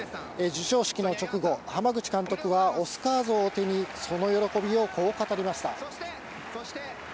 授賞式の直後、濱口監督はオスカー像を手に、その喜びをこう語りました。